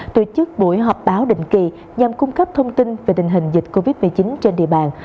tổ chức buổi họp báo định kỳ nhằm cung cấp thông tin về tình hình dịch covid một mươi chín trên địa bàn